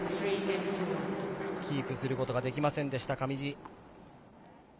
キープすることができませんでした、上地。